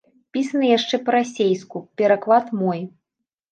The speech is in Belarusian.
Пісаны яшчэ па-расейску, пераклад мой.